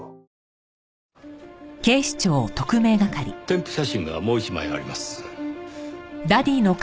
添付写真がもう一枚あります。